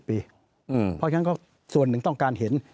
เพราะฉะนั้นก็ส่วนหนึ่งต้องการเห็น